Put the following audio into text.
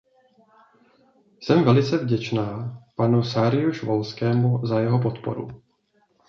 Jsem velice vděčná panu Saryusz-Wolskému za jeho podporu.